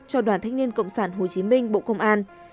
cho đoàn thanh niên cộng sản hồ chí minh bộ công an